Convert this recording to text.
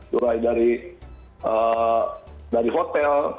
mulai dari hotel